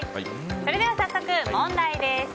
それでは早速、問題です。